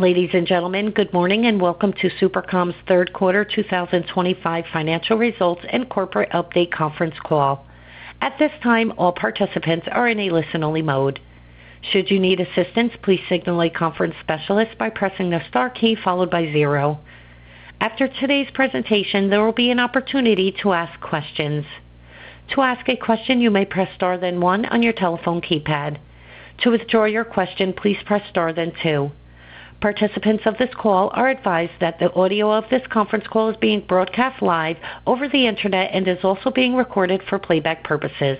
Ladies and gentlemen, good morning and welcome to SuperCom's Third Quarter 2025 Financial Results and Corporate Update Conference Call. At this time, all participants are in a listen-only mode. Should you need assistance, please signal a conference specialist by pressing the star key followed by zero. After today's presentation, there will be an opportunity to ask questions. To ask a question, you may press star then one on your telephone keypad. To withdraw your question, please press star then two. Participants of this call are advised that the audio of this conference call is being broadcast live over the internet and is also being recorded for playback purposes.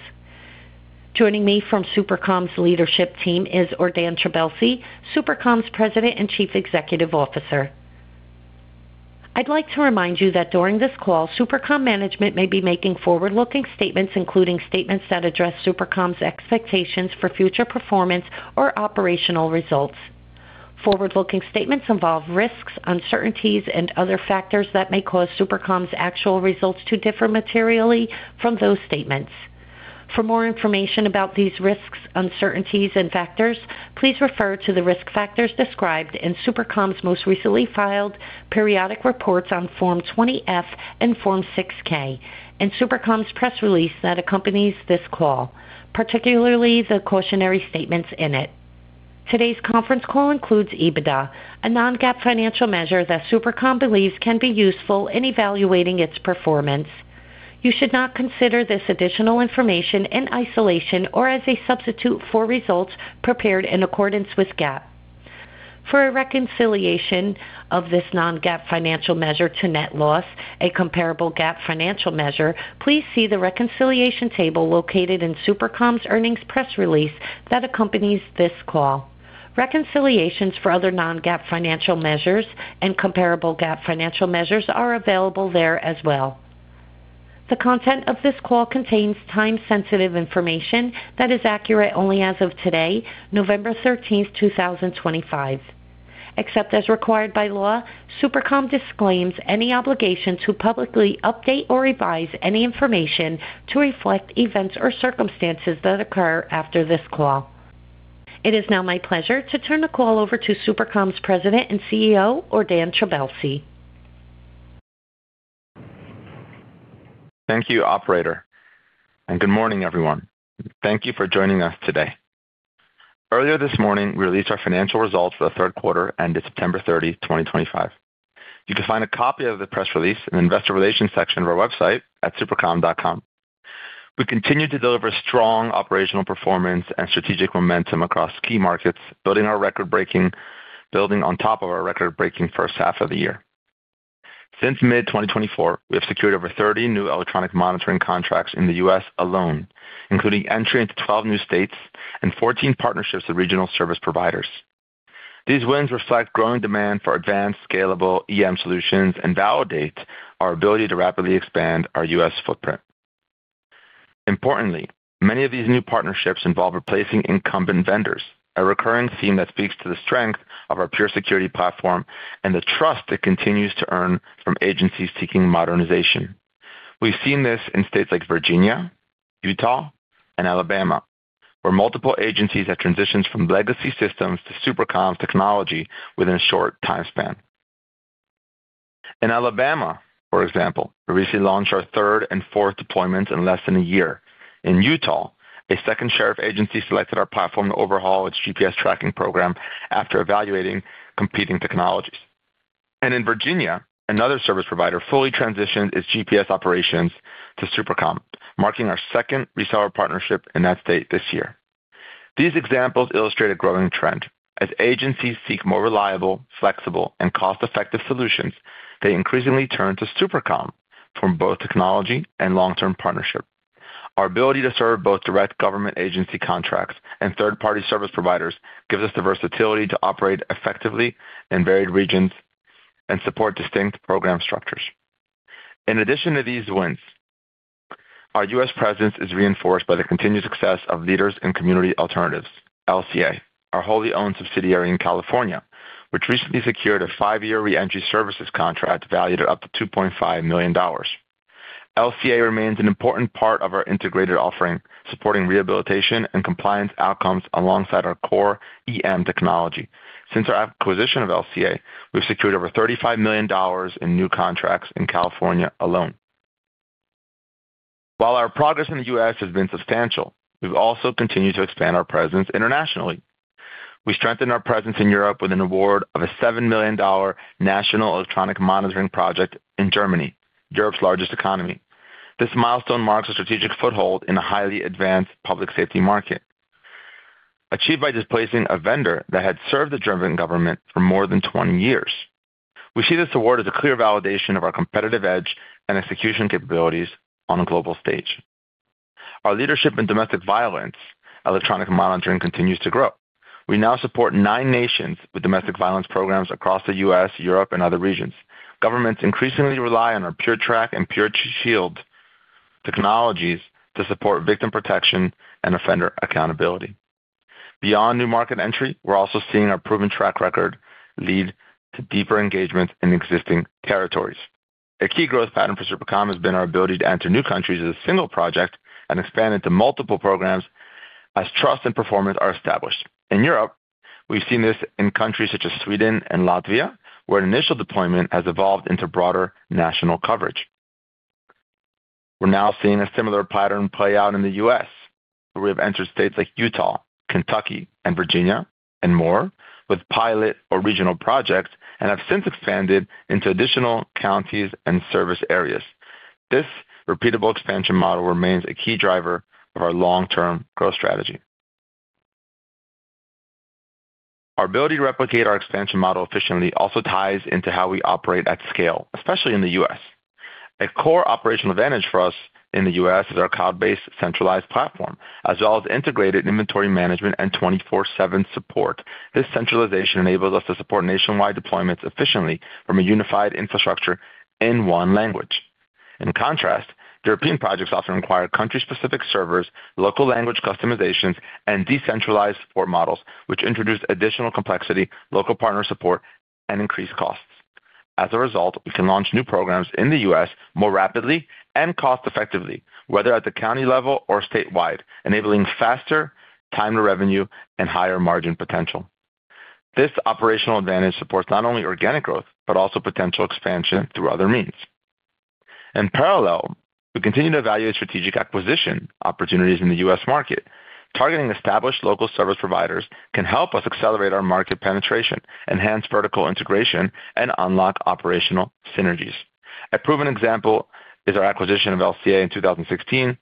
Joining me from SuperCom's leadership team is Ordan Trabelsi, SuperCom's President and Chief Executive Officer. I'd like to remind you that during this call, SuperCom management may be making forward-looking statements, including statements that address SuperCom's expectations for future performance or operational results. Forward-looking statements involve risks, uncertainties, and other factors that may cause SuperCom's actual results to differ materially from those statements. For more information about these risks, uncertainties, and factors, please refer to the risk factors described in SuperCom's most recently filed periodic reports on Form 20F and Form 6K, and SuperCom's press release that accompanies this call, particularly the cautionary statements in it. Today's conference call includes EBITDA, a non-GAAP financial measure that SuperCom believes can be useful in evaluating its performance. You should not consider this additional information in isolation or as a substitute for results prepared in accordance with GAAP. For a reconciliation of this non-GAAP financial measure to net loss, a comparable GAAP financial measure, please see the reconciliation table located in SuperCom's earnings press release that accompanies this call. Reconciliations for other non-GAAP financial measures and comparable GAAP financial measures are available there as well. The content of this call contains time-sensitive information that is accurate only as of today, November 13th, 2025. Except as required by law, SuperCom disclaims any obligation to publicly update or revise any information to reflect events or circumstances that occur after this call. It is now my pleasure to turn the call over to SuperCom's President and CEO, Ordan Trabelsi. Thank you, Operator. Good morning, everyone. Thank you for joining us today. Earlier this morning, we released our financial results for the third quarter ended September 30, 2025. You can find a copy of the press release in the investor relations section of our website at Supercom.com. We continue to deliver strong operational performance and strategic momentum across key markets, building on our record-breaking first half of the year. Since mid-2024, we have secured over 30 new electronic monitoring contracts in the US alone, including entry into 12 new states and 14 partnerships with regional service providers. These wins reflect growing demand for advanced, scalable EM solutions and validate our ability to rapidly expand our U.S. footprint. Importantly, many of these new partnerships involve replacing incumbent vendors, a recurring theme that speaks to the strength of our PureSecurity platform and the trust it continues to earn from agencies seeking modernization. We've seen this in states like Virginia, Utah, and Alabama, where multiple agencies have transitioned from legacy systems to SuperCom's technology within a short time span. In Alabama, for example, we recently launched our third and fourth deployments in less than a year. In Utah, a second share of agencies selected our platform to overhaul its GPS tracking program after evaluating competing technologies. In Virginia, another service provider fully transitioned its GPS operations to SuperCom, marking our second reseller partnership in that state this year. These examples illustrate a growing trend. As agencies seek more reliable, flexible, and cost-effective solutions, they increasingly turn to SuperCom for both technology and long-term partnership. Our ability to serve both direct government agency contracts and third-party service providers gives us the versatility to operate effectively in varied regions and support distinct program structures. In addition to these wins, our U.S. presence is reinforced by the continued success of Leaders in Community Alternatives, LCA, our wholly-owned subsidiary in California, which recently secured a five-year reentry services contract valued at up to $2.5 million. LCA remains an important part of our integrated offering, supporting rehabilitation and compliance outcomes alongside our core EM technology. Since our acquisition of LCA, we've secured over $35 million in new contracts in California alone. While our progress in the U.S. has been substantial, we've also continued to expand our presence internationally. We strengthened our presence in Europe with an award of a $7 million national electronic monitoring project in Germany, Europe's largest economy. This milestone marks a strategic foothold in a highly advanced public safety market, achieved by displacing a vendor that had served the German government for more than 20 years. We see this award as a clear validation of our competitive edge and execution capabilities on a global stage. Our leadership in domestic violence electronic monitoring continues to grow. We now support nine nations with domestic violence programs across the U.S., Europe, and other regions. Governments increasingly rely on our PureTrack and PureShield technologies to support victim protection and offender accountability. Beyond new market entry, we're also seeing our proven track record lead to deeper engagements in existing territories. A key growth pattern for SuperCom has been our ability to enter new countries as a single project and expand into multiple programs as trust and performance are established. In Europe, we've seen this in countries such as Sweden and Latvia, where an initial deployment has evolved into broader national coverage. We're now seeing a similar pattern play out in the U.S., where we have entered states like Utah, Kentucky, and Virginia, and more, with pilot or regional projects, and have since expanded into additional counties and service areas. This repeatable expansion model remains a key driver of our long-term growth strategy. Our ability to replicate our expansion model efficiently also ties into how we operate at scale, especially in the U.S. A core operational advantage for us in the U.S. is our cloud-based centralized platform, as well as integrated inventory management and 24/7 support. This centralization enables us to support nationwide deployments efficiently from a unified infrastructure in one language. In contrast, European projects often require country-specific servers, local language customizations, and decentralized support models, which introduce additional complexity, local partner support, and increased costs. As a result, we can launch new programs in the U.S. more rapidly and cost-effectively, whether at the county level or statewide, enabling faster time-to-revenue and higher margin potential. This operational advantage supports not only organic growth, but also potential expansion through other means. In parallel, we continue to evaluate strategic acquisition opportunities in the U.S. market. Targeting established local service providers can help us accelerate our market penetration, enhance vertical integration, and unlock operational synergies. A proven example is our acquisition of LCA in 2016,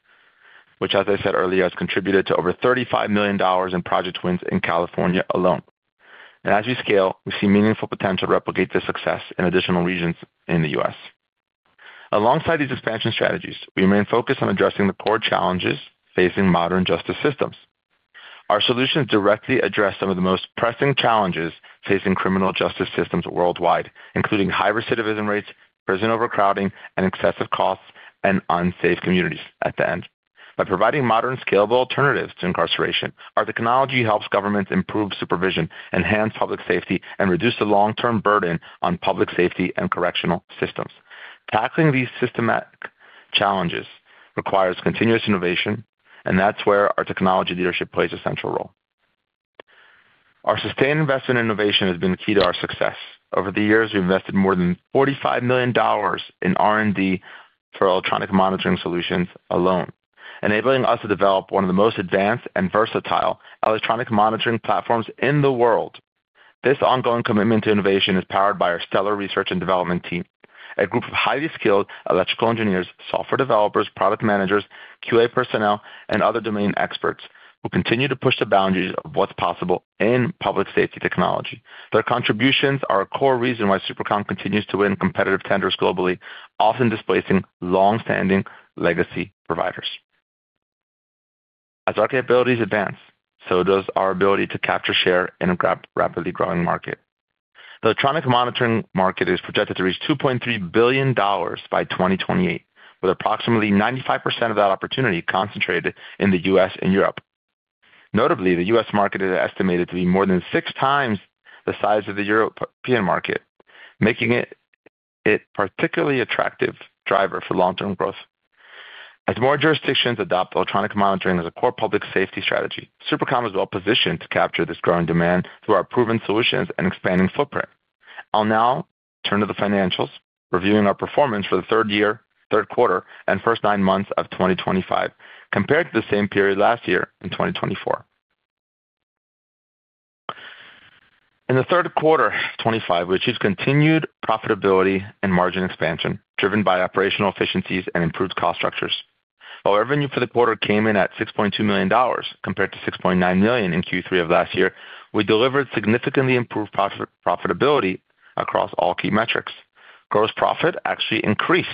which, as I said earlier, has contributed to over $35 million in project wins in California alone. As we scale, we see meaningful potential to replicate this success in additional regions in the U.S. Alongside these expansion strategies, we remain focused on addressing the core challenges facing modern justice systems. Our solutions directly address some of the most pressing challenges facing criminal justice systems worldwide, including high recidivism rates, prison overcrowding, excessive costs, and unsafe communities at the end. By providing modern, scalable alternatives to incarceration, our technology helps governments improve supervision, enhance public safety, and reduce the long-term burden on public safety and correctional systems. Tackling these systematic challenges requires continuous innovation, and that's where our technology leadership plays a central role. Our sustained investment in innovation has been key to our success. Over the years, we've invested more than $45 million in R&D for electronic monitoring solutions alone, enabling us to develop one of the most advanced and versatile electronic monitoring platforms in the world. This ongoing commitment to innovation is powered by our stellar research and development team, a group of highly skilled electrical engineers, software developers, product managers, QA personnel, and other domain experts who continue to push the boundaries of what's possible in public safety technology. Their contributions are a core reason why SuperCom continues to win competitive tenders globally, often displacing long-standing legacy providers. As our capabilities advance, so does our ability to capture, share, and grab rapidly growing market. The electronic monitoring market is projected to reach $2.3 billion by 2028, with approximately 95% of that opportunity concentrated in the U.S. and Europe. Notably, the U.S. market is estimated to be more than 6x the size of the European market, making it a particularly attractive driver for long-term growth. As more jurisdictions adopt electronic monitoring as a core public safety strategy, SuperCom is well-positioned to capture this growing demand through our proven solutions and expanding footprint. I'll now turn to the financials, reviewing our performance for the third year, third quarter, and first nine months of 2025, compared to the same period last year in 2024. In the third quarter of 2025, we achieved continued profitability and margin expansion driven by operational efficiencies and improved cost structures. While revenue for the quarter came in at $6.2 million compared to $6.9 million in Q3 of last year, we delivered significantly improved profitability across all key metrics. Gross profit actually increased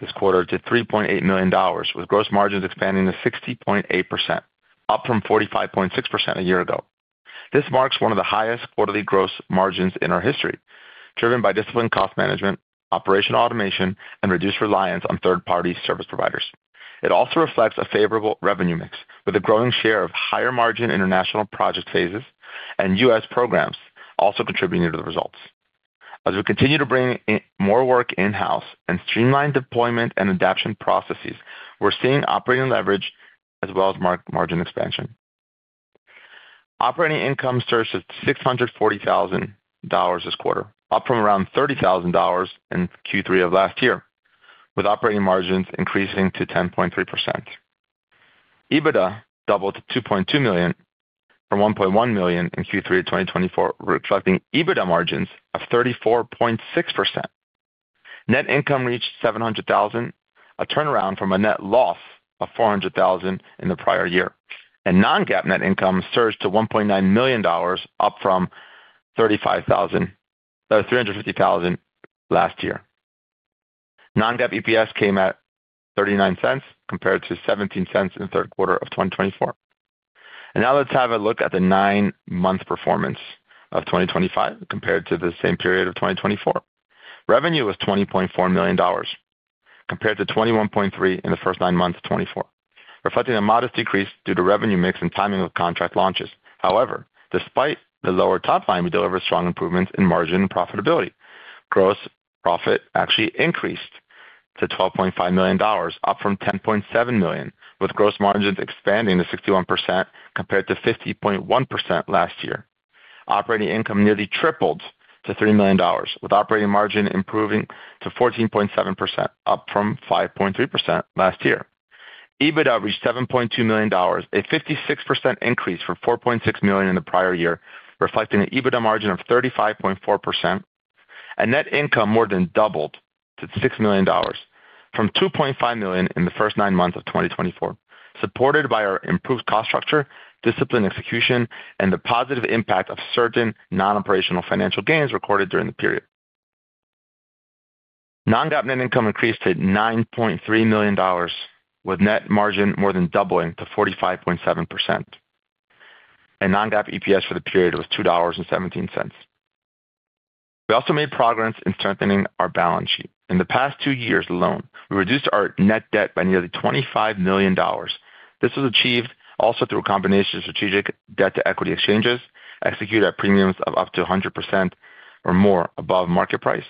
this quarter to $3.8 million, with gross margins expanding to 60.8%, up from 45.6% a year ago. This marks one of the highest quarterly gross margins in our history, driven by disciplined cost management, operational automation, and reduced reliance on third-party service providers. It also reflects a favorable revenue mix, with a growing share of higher-margin international project phases and U.S. programs also contributing to the results. As we continue to bring more work in-house and streamline deployment and adaption processes, we're seeing operating leverage as well as margin expansion. Operating income surged to $640,000 this quarter, up from around $30,000 in Q3 of last year, with operating margins increasing to 10.3%. EBITDA doubled to $2.2 million from $1.1 million in Q3 of 2024, reflecting EBITDA margins of 34.6%. Net income reached $700,000, a turnaround from a net loss of $400,000 in the prior year. Non-GAAP net income surged to $1.9 million, up from $35,000, that was $350,000 last year. Non-GAAP EPS came at $0.39 compared to $0.17 in the third quarter of 2024. Now let's have a look at the nine-month performance of 2025 compared to the same period of 2024. Revenue was $20.4 million compared to $21.3 million in the first nine months of 2024, reflecting a modest decrease due to revenue mix and timing of contract launches. However, despite the lower top line, we delivered strong improvements in margin and profitability. Gross profit actually increased to $12.5 million, up from $10.7 million, with gross margins expanding to 61% compared to 50.1% last year. Operating income nearly tripled to $3 million, with operating margin improving to 14.7%, up from 5.3% last year. EBITDA reached $7.2 million, a 56% increase from $4.6 million in the prior year, reflecting an EBITDA margin of 35.4%. Net income more than doubled to $6 million, from $2.5 million in the first nine months of 2024, supported by our improved cost structure, disciplined execution, and the positive impact of certain non-operational financial gains recorded during the period. Non-GAAP net income increased to $9.3 million, with net margin more than doubling to 45.7%. Non-GAAP EPS for the period was $2.17. We also made progress in strengthening our balance sheet. In the past two years alone, we reduced our net debt by nearly $25 million. This was achieved also through a combination of strategic debt-to-equity exchanges, executed at premiums of up to 100% or more above market price,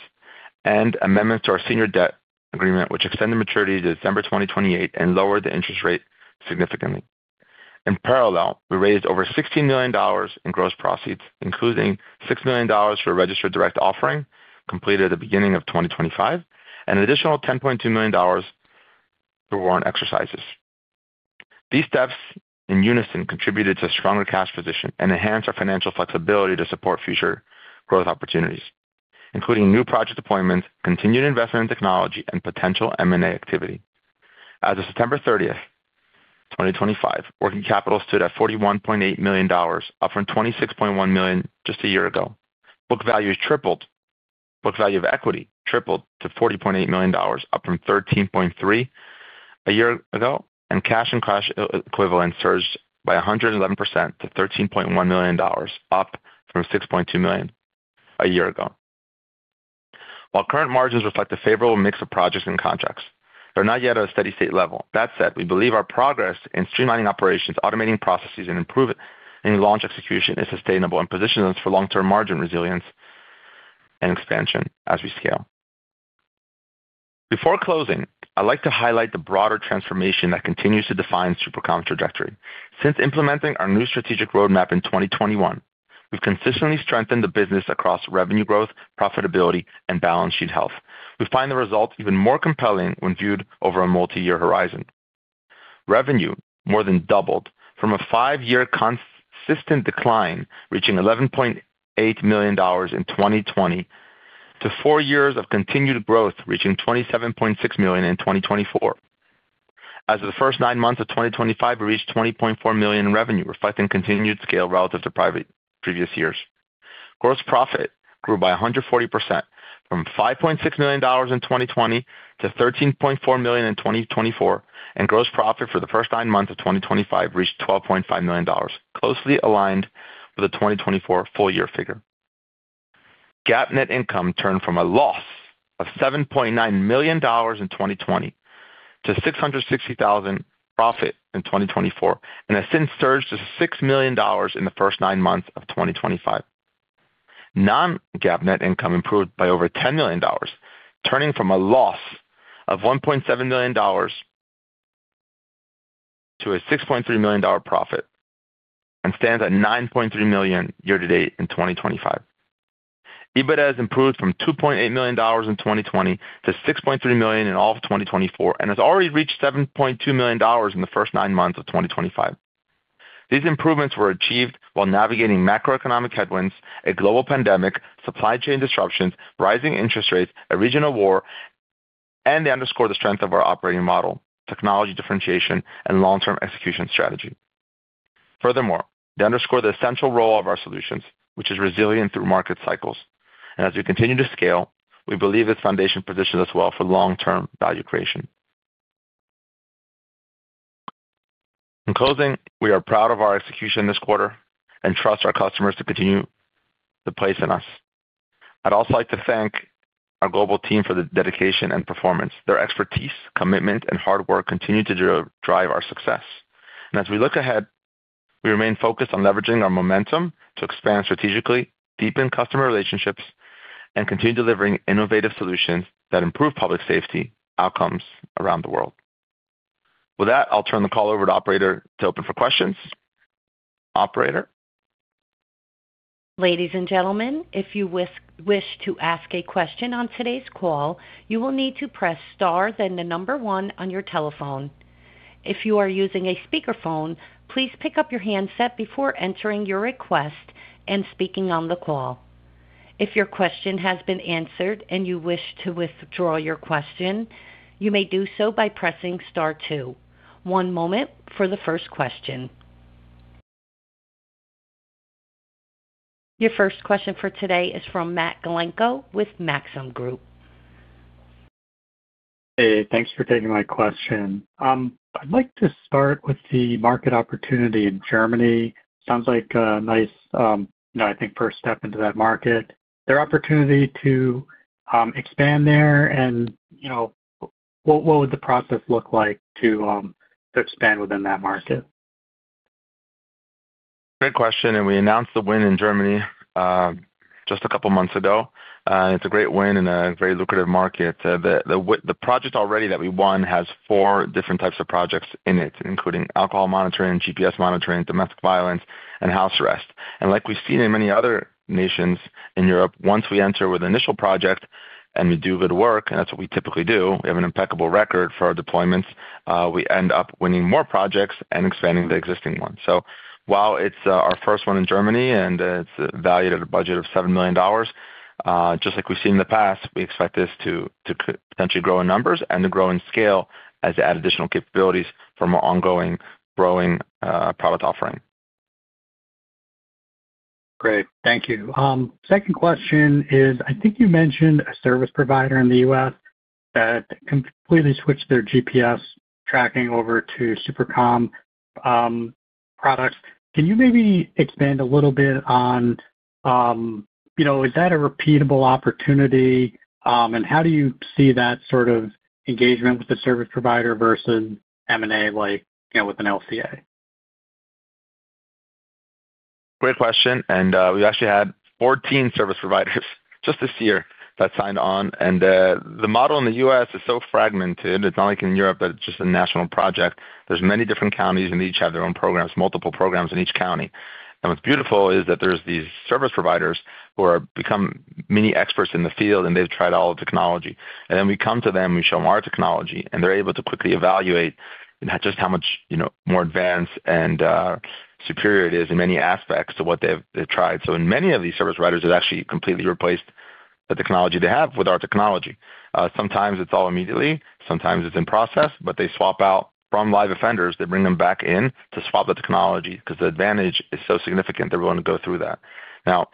and amendments to our senior debt agreement, which extended maturity to December 2028 and lowered the interest rate significantly. In parallel, we raised over $16 million in gross proceeds, including $6 million for a registered direct offering completed at the beginning of 2025, and an additional $10.2 million through warrant exercises. These steps in unison contributed to a stronger cash position and enhanced our financial flexibility to support future growth opportunities, including new project deployments, continued investment in technology, and potential M&A activity. As of September 30th, 2025, working capital stood at $41.8 million, up from $26.1 million just a year ago. Book value tripled. Book value of equity tripled to $40.8 million, up from $13.3 million a year ago, and cash and cash equivalents surged by 111% to $13.1 million, up from $6.2 million a year ago. While current margins reflect a favorable mix of projects and contracts, they're not yet at a steady-state level. That said, we believe our progress in streamlining operations, automating processes, and improving launch execution is sustainable and positions us for long-term margin resilience and expansion as we scale. Before closing, I'd like to highlight the broader transformation that continues to define SuperCom's trajectory. Since implementing our new strategic roadmap in 2021, we've consistently strengthened the business across revenue growth, profitability, and balance sheet health. We find the results even more compelling when viewed over a multi-year horizon. Revenue more than doubled from a five-year consistent decline, reaching $11.8 million in 2020, to four years of continued growth, reaching $27.6 million in 2024. As of the first nine months of 2025, we reached $20.4 million in revenue, reflecting continued scale relative to previous years. Gross profit grew by 140% from $5.6 million in 2020 to $13.4 million in 2024, and gross profit for the first nine months of 2025 reached $12.5 million, closely aligned with the 2024 full-year figure. GAAP net income turned from a loss of $7.9 million in 2020 to $660,000 profit in 2024, and has since surged to $6 million in the first nine months of 2025. Non-GAAP net income improved by over $10 million, turning from a loss of $1.7 million to a $6.3 million profit and stands at $9.3 million year-to-date in 2025. EBITDA has improved from $2.8 million in 2020 to $6.3 million in all of 2024 and has already reached $7.2 million in the first nine months of 2025. These improvements were achieved while navigating macroeconomic headwinds, a global pandemic, supply chain disruptions, rising interest rates, a regional war, and they underscore the strength of our operating model, technology differentiation, and long-term execution strategy. Furthermore, they underscore the essential role of our solutions, which is resilient through market cycles. As we continue to scale, we believe this foundation positions us well for long-term value creation. In closing, we are proud of our execution this quarter and trust our customers to continue to place in us. I'd also like to thank our global team for the dedication and performance. Their expertise, commitment, and hard work continue to drive our success. As we look ahead, we remain focused on leveraging our momentum to expand strategically, deepen customer relationships, and continue delivering innovative solutions that improve public safety outcomes around the world. With that, I'll turn the call over to Operator to open for questions. Operator. Ladies and gentlemen, if you wish to ask a question on today's call, you will need to press star, then the number one on your telephone. If you are using a speakerphone, please pick up your handset before entering your request and speaking on the call. If your question has been answered and you wish to withdraw your question, you may do so by pressing star two. One moment for the first question. Your first question for today is from Matt Galinko with Maxim Group. Hey, thanks for taking my question. I'd like to start with the market opportunity in Germany. Sounds like a nice, I think, first step into that market. Is there opportunity to expand there and what would the process look like to expand within that market? Great question. We announced the win in Germany just a couple of months ago. It is a great win in a very lucrative market. The project already that we won has four different types of projects in it, including alcohol monitoring, GPS monitoring, domestic violence, and house arrest. Like we have seen in many other nations in Europe, once we enter with an initial project and we do good work, and that is what we typically do, we have an impeccable record for our deployments, we end up winning more projects and expanding the existing ones. While it is our first one in Germany and it is valued at a budget of $7 million, just like we have seen in the past, we expect this to potentially grow in numbers and to grow in scale as it adds additional capabilities for more ongoing growing product offering. Great. Thank you. Second question is, I think you mentioned a service provider in the U.S. that completely switched their GPS tracking over to SuperCom products. Can you maybe expand a little bit on is that a repeatable opportunity? How do you see that sort of engagement with the service provider versus M&A with an LCA? Great question. We actually had 14 service providers just this year that signed on. The model in the U.S. is so fragmented. It is not like in Europe, where it is just a national project. There are many different counties, and they each have their own programs, multiple programs in each county. What is beautiful is that there are these service providers who have become mini experts in the field, and they have tried all the technology. We come to them, we show them our technology, and they're able to quickly evaluate just how much more advanced and superior it is in many aspects to what they've tried. In many of these service providers, it actually completely replaced the technology they have with our technology. Sometimes it's all immediately. Sometimes it's in process, but they swap out from live offenders. They bring them back in to swap the technology because the advantage is so significant they're willing to go through that. Now,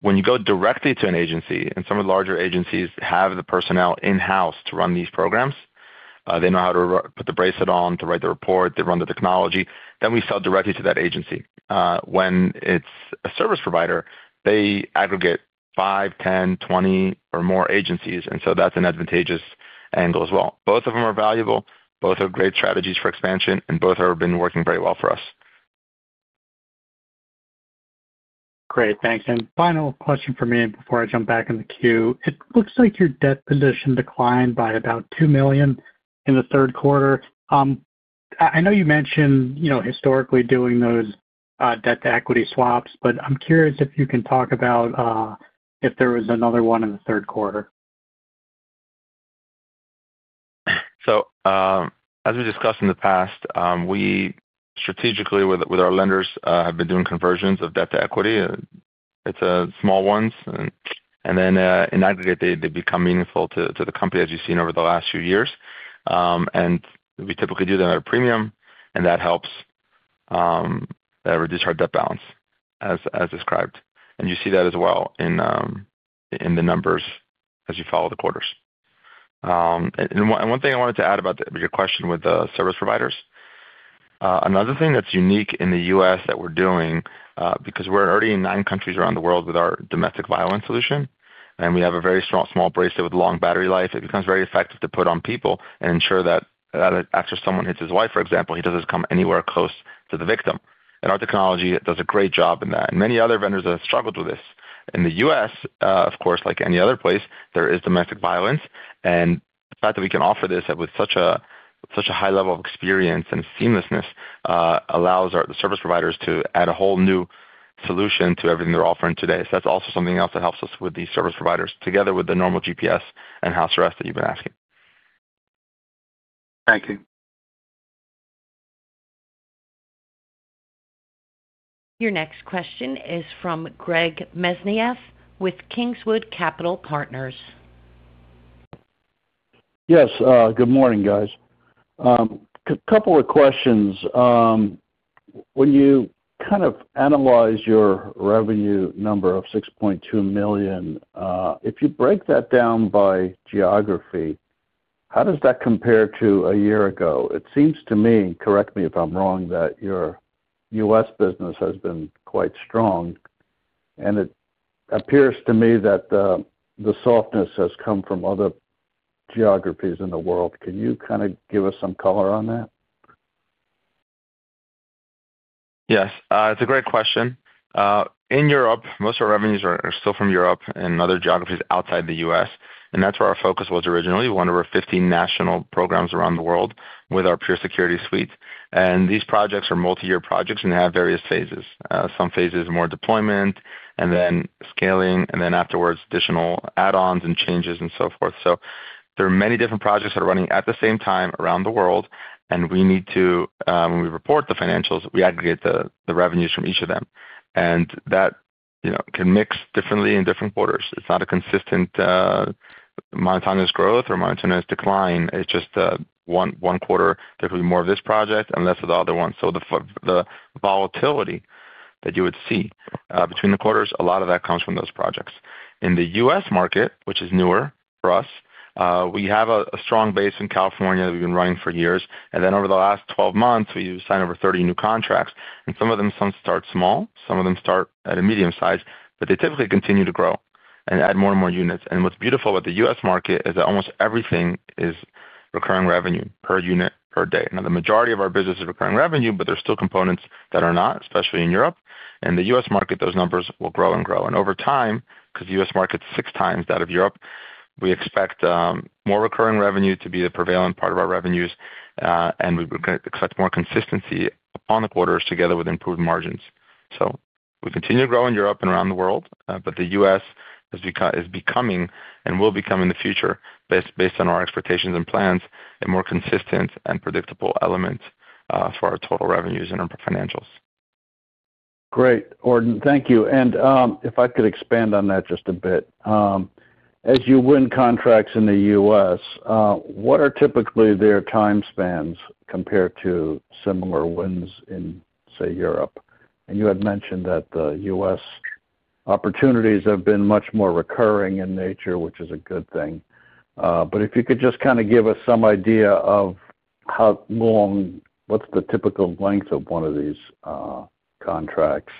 when you go directly to an agency, and some of the larger agencies have the personnel in-house to run these programs, they know how to put the bracelet on, to write the report, they run the technology, then we sell directly to that agency. When it's a service provider, they aggregate 5, 10, 20, or more agencies, and so that's an advantageous angle as well. Both of them are valuable. Both are great strategies for expansion, and both have been working very well for us. Great. Thanks. Final question for me before I jump back in the queue. It looks like your debt position declined by about $2 million in the third quarter. I know you mentioned historically doing those debt-to-equity swaps, but I'm curious if you can talk about if there was another one in the third quarter. As we discussed in the past, we strategically with our lenders have been doing conversions of debt to equity. It's small ones. In aggregate, they become meaningful to the company as you've seen over the last few years. We typically do them at a premium, and that helps reduce our debt balance as described. You see that as well in the numbers as you follow the quarters. One thing I wanted to add about your question with the service providers. Another thing that's unique in the U.S. that we're doing, because we're already in nine countries around the world with our domestic violence solution, and we have a very strong small bracelet with long battery life, it becomes very effective to put on people and ensure that after someone hits his wife, for example, he doesn't come anywhere close to the victim. Our technology does a great job in that. Many other vendors have struggled with this. In the U.S., of course, like any other place, there is domestic violence. The fact that we can offer this with such a high level of experience and seamlessness allows the service providers to add a whole new solution to everything they're offering today. That is also something else that helps us with these service providers together with the normal GPS and house arrest that you've been asking. Thank you. Your next question is from Greg Mesniaeff with Kingswood Capital Partners. Yes. Good morning, guys. A couple of questions. When you kind of analyze your revenue number of $6.2 million, if you break that down by geography, how does that compare to a year ago? It seems to me, and correct me if I'm wrong, that your U.S. business has been quite strong. It appears to me that the softness has come from other geographies in the world. Can you kind of give us some color on that? Yes. It's a great question. In Europe, most of our revenues are still from Europe and other geographies outside the U.S. That is where our focus was originally. We wanted over 15 national programs around the world with our PureSecurity suite. These projects are multi-year projects, and they have various phases. Some phases are more deployment, and then scaling, and then afterwards, additional add-ons and changes and so forth. There are many different projects that are running at the same time around the world, and we need to, when we report the financials, aggregate the revenues from each of them. That can mix differently in different quarters. It is not a consistent monotonous growth or monotonous decline. One quarter, there could be more of this project and less of the other one. The volatility that you would see between the quarters, a lot of that comes from those projects. In the U.S. market, which is newer for us, we have a strong base in California that we've been running for years. Over the last 12 months, we've signed over 30 new contracts. Some of them start small. Some of them start at a medium size, but they typically continue to grow and add more and more units. What's beautiful about the U.S. market is that almost everything is recurring revenue per unit per day. Now, the majority of our business is recurring revenue, but there are still components that are not, especially in Europe. In the U.S. market, those numbers will grow and grow. Over time, because the U.S. market's 6x that of Europe, we expect more recurring revenue to be the prevailing part of our revenues, and we expect more consistency upon the quarters together with improved margins. We continue to grow in Europe and around the world, but the U.S. is becoming, and will become in the future, based on our expectations and plans, a more consistent and predictable element for our total revenues and our financials. Great. Ordan, thank you. If I could expand on that just a bit. As you win contracts in the U.S., what are typically their time spans compared to similar wins in, say, Europe? You had mentioned that the U.S. opportunities have been much more recurring in nature, which is a good thing. If you could just kind of give us some idea of how long, what's the typical length of one of these contracts?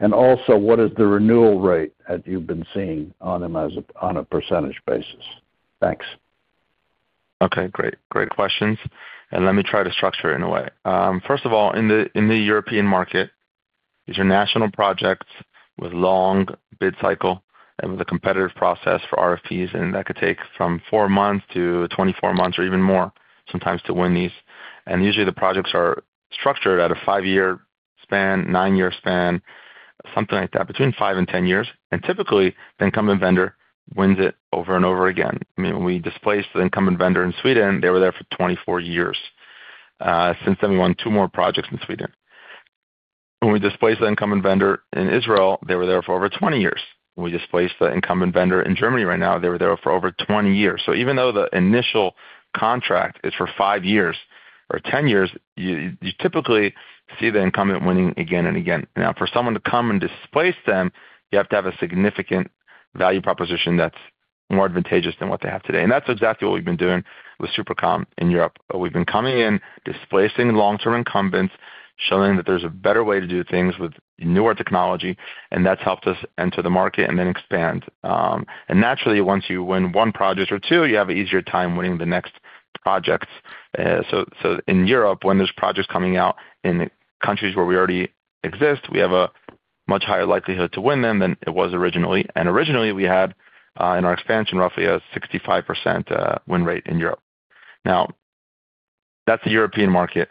Also, what is the renewal rate that you've been seeing on them on a percentage basis? Thanks. Okay. Great. Great questions. Let me try to structure it in a way. First of all, in the European market, these are national projects with long bid cycle and with a competitive process for RFPs. That could take from four months to 24 months or even more sometimes to win these. Usually, the projects are structured at a five-year span, nine-year span, something like that, between five and ten years. Typically, the incumbent vendor wins it over and over again. I mean, we displaced the incumbent vendor in Sweden. They were there for 24 years. Since then, we won two more projects in Sweden. When we displaced the incumbent vendor in Israel, they were there for over 20 years. When we displaced the incumbent vendor in Germany right now, they were there for over 20 years. Even though the initial contract is for five years or ten years, you typically see the incumbent winning again and again. Now, for someone to come and displace them, you have to have a significant value proposition that's more advantageous than what they have today. That's exactly what we've been doing with SuperCom in Europe. We've been coming in, displacing long-term incumbents, showing that there's a better way to do things with newer technology, and that's helped us enter the market and then expand. Naturally, once you win one project or two, you have an easier time winning the next projects. In Europe, when there are projects coming out in countries where we already exist, we have a much higher likelihood to win them than it was originally. Originally, we had, in our expansion, roughly a 65% win rate in Europe. That is the European market.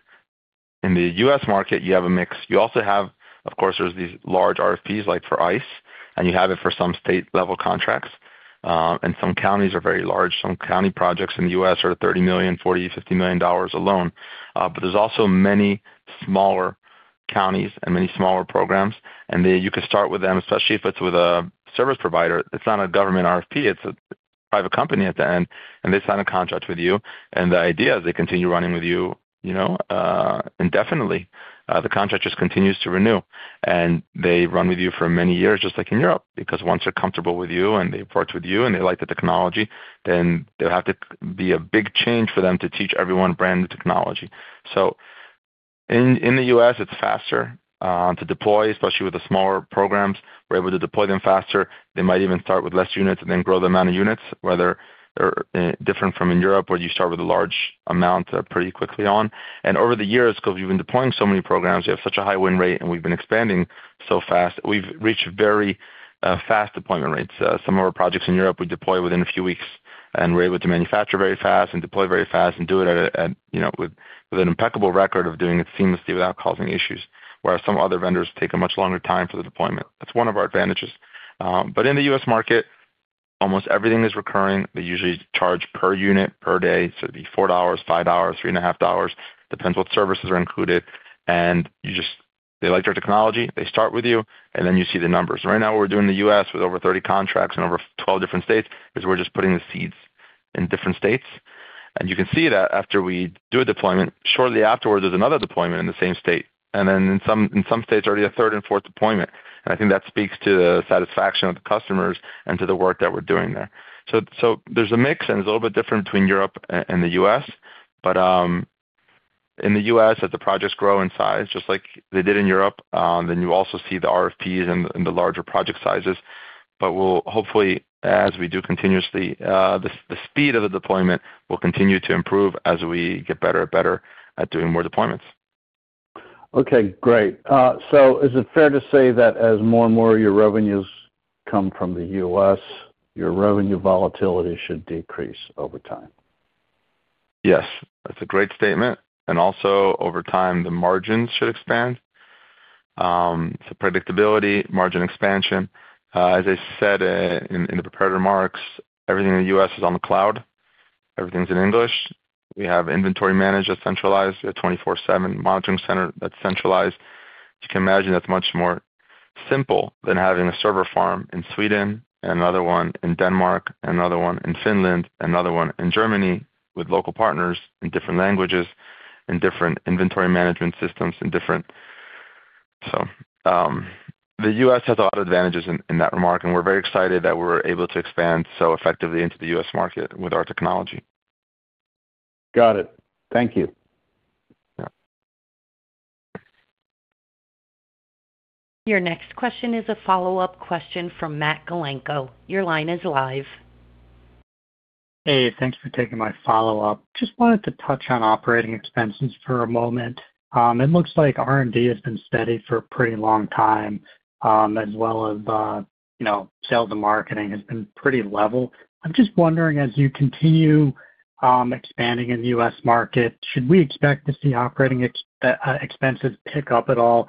In the U.S. market, you have a mix. You also have, of course, these large RFPs like for ICE, and you have it for some state-level contracts. Some counties are very large. Some county projects in the U.S. are $30 million, $40 million, $50 million alone. There are also many smaller counties and many smaller programs. You could start with them, especially if it is with a service provider. It is not a government RFP. It is a private company at the end. They sign a contract with you. The idea is they continue running with you indefinitely. The contractor just continues to renew. They run with you for many years, just like in Europe, because once they're comfortable with you and they've worked with you and they like the technology, there have to be a big change for them to teach everyone brand new technology. In the U.S., it's faster to deploy, especially with the smaller programs. We're able to deploy them faster. They might even start with fewer units and then grow the amount of units, which is different from in Europe, where you start with a large amount pretty quickly on. Over the years, because we've been deploying so many programs, we have such a high win rate, and we've been expanding so fast, we've reached very fast deployment rates. Some of our projects in Europe, we deploy within a few weeks, and we are able to manufacture very fast and deploy very fast and do it with an impeccable record of doing it seamlessly without causing issues, whereas some other vendors take a much longer time for the deployment. That is one of our advantages. In the U.S. market, almost everything is recurring. They usually charge per unit, per day. It would be $4, $5, $3.5. Depends what services are included. They like your technology. They start with you, and then you see the numbers. Right now, what we are doing in the U.S. with over 30 contracts in over 12 different states is we are just putting the seeds in different states. You can see that after we do a deployment, shortly afterwards, there is another deployment in the same state. In some states, already a third and fourth deployment. I think that speaks to the satisfaction of the customers and to the work that we're doing there. There is a mix, and it's a little bit different between Europe and the U.S. In the U.S., as the projects grow in size, just like they did in Europe, you also see the RFPs and the larger project sizes. Hopefully, as we do continuously, the speed of the deployment will continue to improve as we get better and better at doing more deployments. Okay. Great. Is it fair to say that as more and more of your revenues come from the U.S., your revenue volatility should decrease over time? Yes. That's a great statement. Also, over time, the margins should expand. Predictability, margin expansion. As I said in the preparatory marks, everything in the U.S. is on the cloud. Everything's in English. We have inventory managed at centralized. We have a 24/7 monitoring center that's centralized. You can imagine that's much more simple than having a server farm in Sweden and another one in Denmark and another one in Finland and another one in Germany with local partners in different languages and different inventory management systems in different. The U.S. has a lot of advantages in that remark, and we're very excited that we're able to expand so effectively into the U.S. market with our technology. Got it. Thank you. Your next question is a follow-up question from Matt Galinko. Your line is live. Hey. Thanks for taking my follow-up. Just wanted to touch on operating expenses for a moment. It looks like R&D has been steady for a pretty long time, as well as sales and marketing has been pretty level. I'm just wondering, as you continue expanding in the U.S. market, should we expect to see operating expenses pick up at all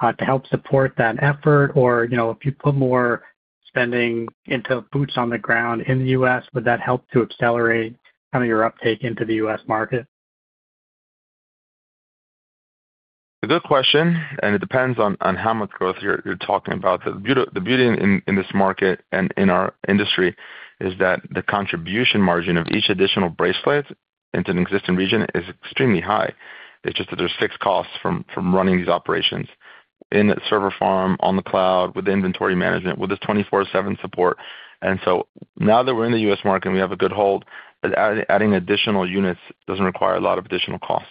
to help support that effort? If you put more spending into boots on the ground in the U.S., would that help to accelerate kind of your uptake into the U.S. market? Good question. It depends on how much growth you're talking about. The beauty in this market and in our industry is that the contribution margin of each additional bracelet into an existing region is extremely high. It's just that there's fixed costs from running these operations in a server farm, on the cloud, with inventory management, with this 24/7 support. Now that we're in the U.S. market and we have a good hold, adding additional units doesn't require a lot of additional costs.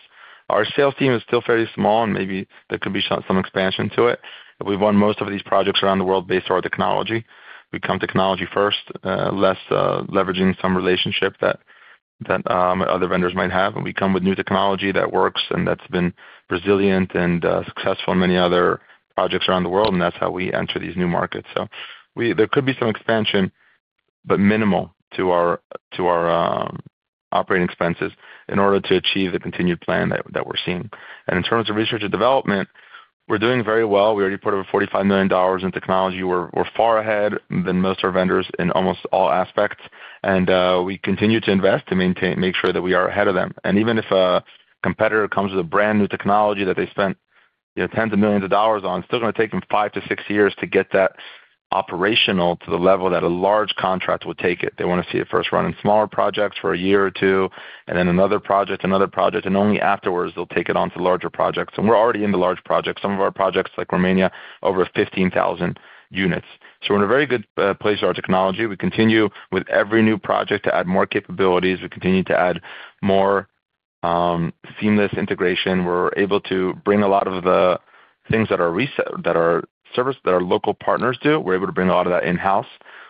Our sales team is still fairly small, and maybe there could be some expansion to it. We've won most of these projects around the world based on our technology. We come technology first, less leveraging some relationship that other vendors might have. We come with new technology that works and that's been resilient and successful in many other projects around the world. That's how we enter these new markets. There could be some expansion, but minimal, to our operating expenses in order to achieve the continued plan that we're seeing. In terms of research and development, we're doing very well. We already put over $45 million in technology. We're far ahead than most of our vendors in almost all aspects. We continue to invest to make sure that we are ahead of them. Even if a competitor comes with a brand new technology that they spent tens of millions of dollars on, it's still going to take them 5-6 years to get that operational to the level that a large contract will take it. They want to see it first run in smaller projects for a year or two, and then another project, another project, and only afterwards they'll take it on to larger projects. We are already in the large projects. Some of our projects, like Romania, over 15,000 units. We are in a very good place with our technology. We continue with every new project to add more capabilities. We continue to add more seamless integration. We are able to bring a lot of the things that our local partners do. We're able to bring a lot of that in-house.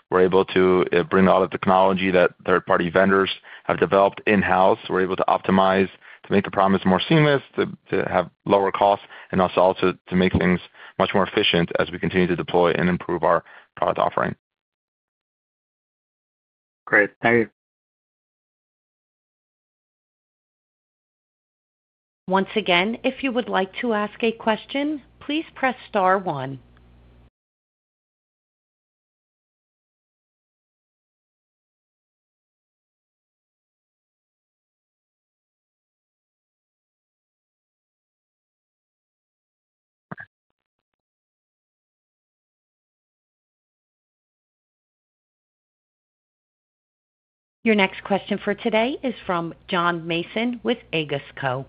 We're able to bring a lot of technology that third-party vendors have developed in-house. We're able to optimize to make the process more seamless, to have lower costs, and also to make things much more efficient as we continue to deploy and improve our product offering. Great. Thank you. Once again, if you would like to ask a question, please press star one. Your next question for today is from John Mason with Aegis Co.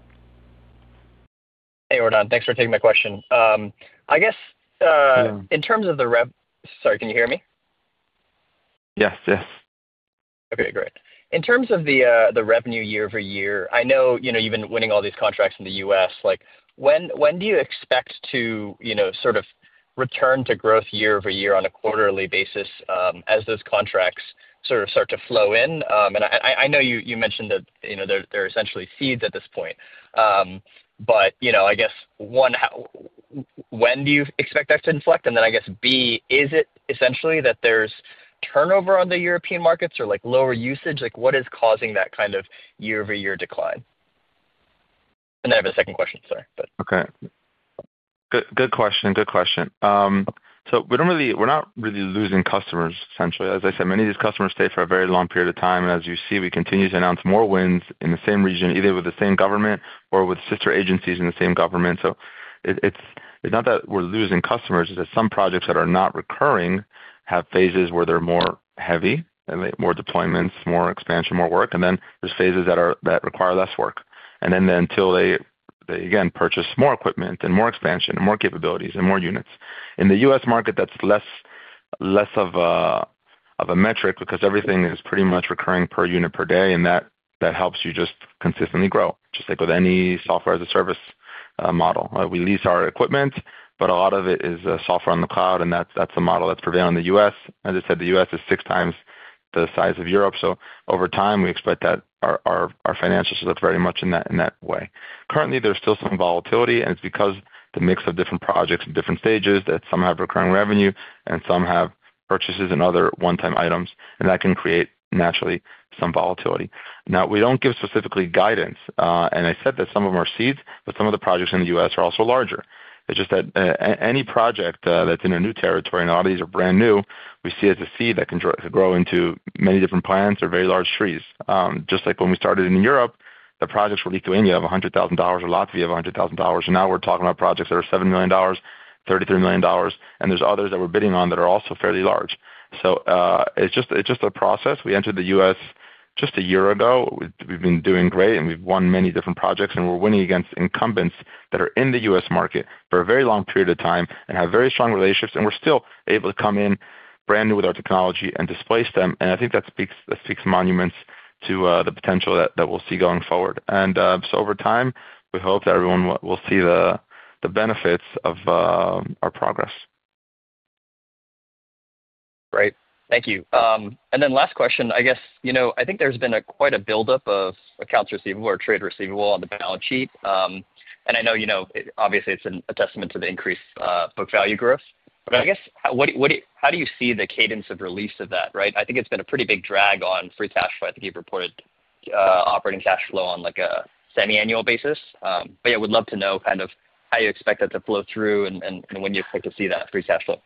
Hey, Ordan. Thanks for taking my question. I guess in terms of the, sorry, can you hear me? Yes. Yes. Okay. Great. In terms of the revenue year-over-year, I know you've been winning all these contracts in the U.S. When do you expect to sort of return to growth year-over-year on a quarterly basis as those contracts sort of start to flow in? I know you mentioned that they're essentially seeds at this point. I guess, one, when do you expect that to inflect? I guess, B, is it essentially that there's turnover on the European markets or lower usage? What is causing that kind of year-over-year decline? I have a second question. Sorry. Good question. Good question. We're not really losing customers, essentially. As I said, many of these customers stay for a very long period of time. As you see, we continue to announce more wins in the same region, either with the same government or with sister agencies in the same government. It's not that we're losing customers. It's that some projects that are not recurring have phases where they're more heavy, more deployments, more expansion, more work. Then there's phases that require less work. Until they, again, purchase more equipment and more expansion and more capabilities and more units. In the U.S. market, that is less of a metric because everything is pretty much recurring per unit per day. That helps you just consistently grow, just like with any software as a service model. We lease our equipment, but a lot of it is software on the cloud. That is the model that is prevailing in the U.S. As I said, the U.S. is 6x the size of Europe. Over time, we expect that our financials look very much in that way. Currently, there is still some volatility. It is because the mix of different projects in different stages, that some have recurring revenue and some have purchases and other one-time items. That can create naturally some volatility. We do not give specifically guidance. I said that some of them are seeds, but some of the projects in the US are also larger. It is just that any project that is in a new territory, and a lot of these are brand new, we see as a seed that can grow into many different plants or very large trees. Just like when we started in Europe, the projects for Lithuania of $100,000 or Latvia of $100,000. Now we are talking about projects that are $7 million, $33 million. There are others that we are bidding on that are also fairly large. It is just a process. We entered the U.S. just a year ago. We have been doing great. We have won many different projects. We are winning against incumbents that are in the U.S. market for a very long period of time and have very strong relationships. We're still able to come in brand new with our technology and displace them. I think that speaks monuments to the potential that we'll see going forward. Over time, we hope that everyone will see the benefits of our progress. Great. Thank you. Last question, I guess. I think there's been quite a buildup of accounts receivable or trade receivable on the balance sheet. I know obviously it's a testament to the increased book value growth. I guess, how do you see the cadence of release of that? Right? I think it's been a pretty big drag on free cash flow. I think you've reported operating cash flow on a semi-annual basis. We'd love to know kind of how you expect that to flow through and when you expect to see that free cash flow.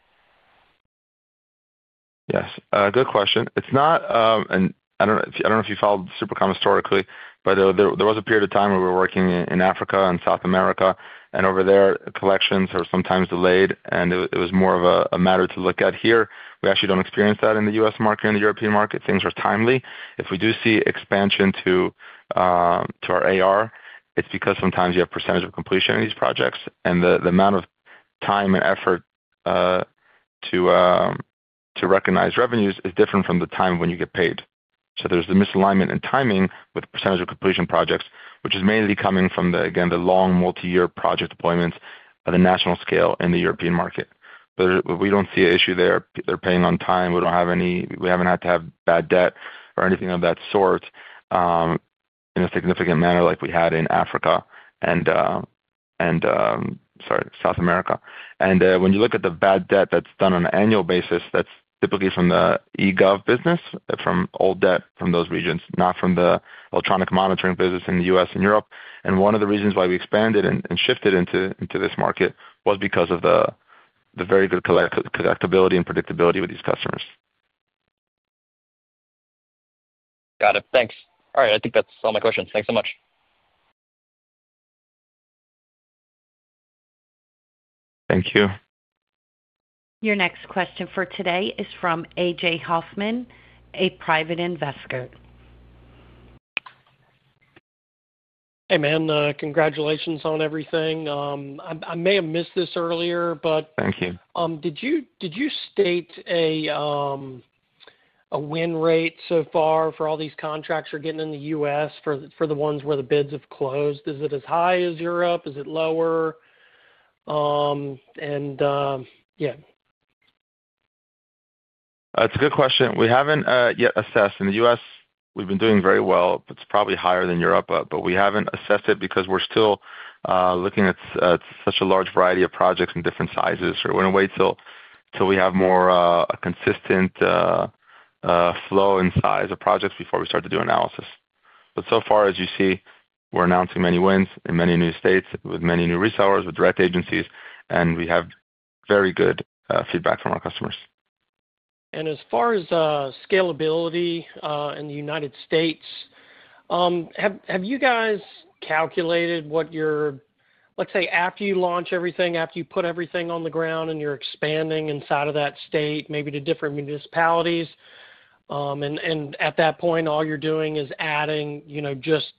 Yes. Good question. It's not, and I don't know if you followed SuperCom historically, but there was a period of time where we were working in Africa and South America. Over there, collections are sometimes delayed. It was more of a matter to look at here. We actually don't experience that in the U.S. market or in the European market. Things are timely. If we do see expansion to our AR, it's because sometimes you have percentage of completion of these projects. The amount of time and effort to recognize revenues is different from the time when you get paid. There's a misalignment in timing with percentage of completion projects, which is mainly coming from, again, the long multi-year project deployments at a national scale in the European market. We don't see an issue there. They're paying on time. We do not have any—we have not had to have bad debt or anything of that sort in a significant manner like we had in Africa and, sorry, South America. When you look at the bad debt that is done on an annual basis, that is typically from the E-gov business, from old debt from those regions, not from the Electronic Monitoring business in the U.S. and Europe. One of the reasons why we expanded and shifted into this market was because of the very good collectibility and predictability with these customers. Got it. Thanks. All right. I think that is all my questions. Thanks so much. Thank you. Your next question for today is from AJ Hoffman, a Private Investor. Hey, man. Congratulations on everything. I may have missed this earlier, but. Thank you. Did you state a win rate so far for all these contracts you're getting in the U.S. for the ones where the bids have closed? Is it as high as Europe? Is it lower? Yeah. It's a good question. We haven't yet assessed. In the U.S., we've been doing very well. It's probably higher than Europe. We haven't assessed it because we're still looking at such a large variety of projects and different sizes. We're going to wait till we have more consistent flow in size of projects before we start to do analysis. As you see, we're announcing many wins in many new states with many new resellers, with direct agencies. We have very good feedback from our customers. As far as scalability in the United States, have you guys calculated what your—let's say, after you launch everything, after you put everything on the ground and you're expanding inside of that state, maybe to different municipalities, and at that point, all you're doing is adding just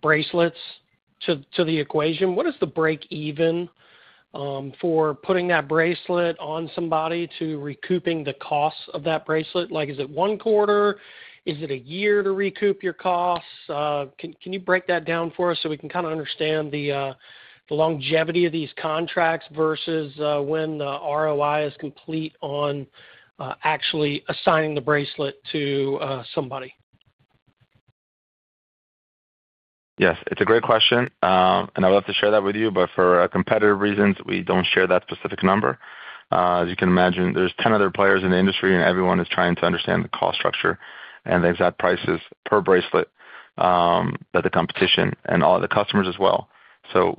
bracelets to the equation, what is the break-even for putting that bracelet on somebody to recouping the costs of that bracelet? Is it one quarter? Is it a year to recoup your costs? Can you break that down for us so we can kind of understand the longevity of these contracts versus when the ROI is complete on actually assigning the bracelet to somebody? Yes. It's a great question. I'd love to share that with you. For competitive reasons, we don't share that specific number. As you can imagine, there are 10 other players in the industry, and everyone is trying to understand the cost structure and the exact prices per bracelet that the competition and all the customers as well. At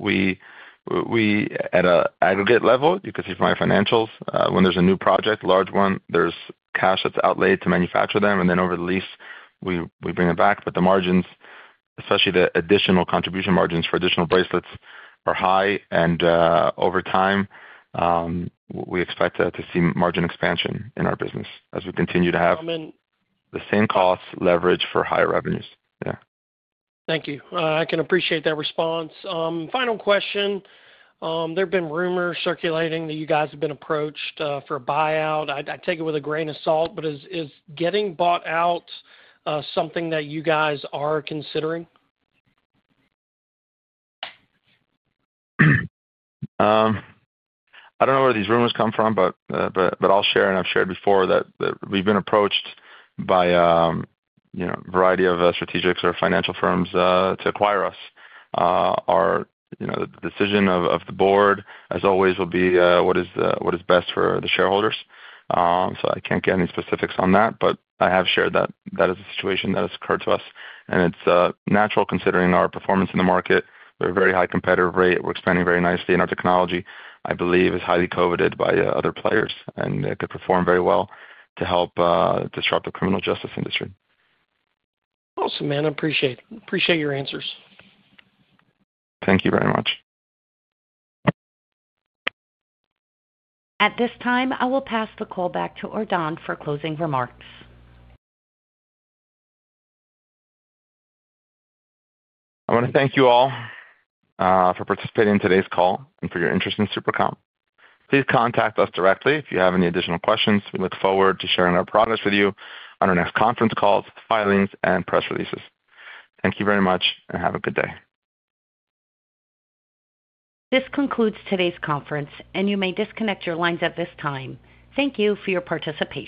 an aggregate level, you could see from our financials, when there is a new project, a large one, there is cash that is outlaid to manufacture them. Then over the lease, we bring it back. The margins, especially the additional contribution margins for additional bracelets, are high. Over time, we expect to see margin expansion in our business as we continue to have the same costs leveraged for higher revenues. Yeah. Thank you. I can appreciate that response. Final question. There have been rumors circulating that you guys have been approached for a buyout. I take it with a grain of salt, but is getting bought out something that you guys are considering? I don't know where these rumors come from, but I'll share. And I've shared before that we've been approached by a variety of strategics or financial firms to acquire us. The decision of the Board, as always, will be what is best for the shareholders. So I can't get any specifics on that. But I have shared that that is a situation that has occurred to us. And it's natural considering our performance in the market. We have a very high competitive rate. We're expanding very nicely. And our technology, I believe, is highly coveted by other players. And it could perform very well to help disrupt the criminal justice industry. Awesome, man. I appreciate it. Appreciate your answers. Thank you very much. At this time, I will pass the call back to Ordan for closing remarks. I want to thank you all for participating in today's call and for your interest in SuperCom. Please contact us directly if you have any additional questions. We look forward to sharing our progress with you on our next conference calls, filings, and press releases. Thank you very much, and have a good day. This concludes today's conference, and you may disconnect your lines at this time. Thank you for your participation.